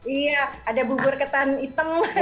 iya ada bubur ketan hitam